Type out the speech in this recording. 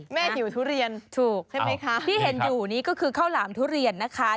หิวทุเรียนถูกใช่ไหมคะที่เห็นอยู่นี่ก็คือข้าวหลามทุเรียนนะคะ